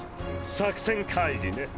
作戦会議ね！